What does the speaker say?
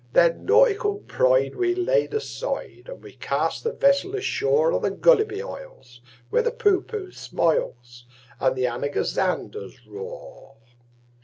Then nautical pride we laid aside, And we cast the vessel ashore On the Gulliby Isles, where the Poohpooh smiles, And the Anagazanders roar.